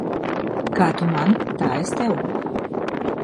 Kā tu man, tā es tev.